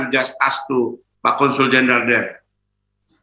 anda hanya meminta ke pak kounsel general di sana